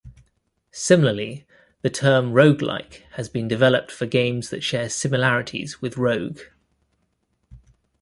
Similarly, the term Roguelike has been developed for games that share similarities with "Rogue".